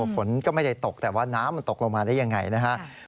ฝนก็ไม่ได้ตกแต่ว่าน้ำมันตกลงมาได้ยังไงนะครับ